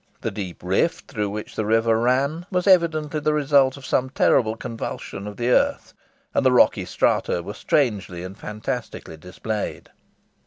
The deep rift through which the river ran was evidently the result of some terrible convulsion of the earth, and the rocky strata were strangely and fantastically displayed.